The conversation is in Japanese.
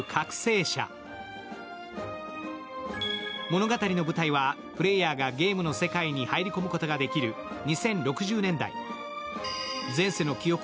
物語の舞台は、プレーヤーがゲームの世界に入り込むことができる２０６０年代。